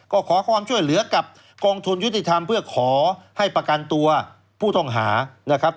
ก็ขอความช่วยเหลือกับกองทุนยุติธรรมเพื่อขอให้ประกันตัวผู้ต้องหานะครับ